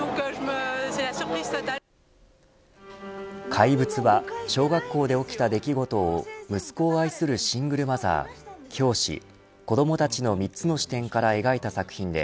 怪物は小学校で起きた出来事を息子を愛するシングルマザー教師、子どもたちの３つの視点から描いた作品で